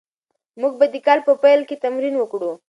موږ به د کال په پیل کې تمرین وکړو.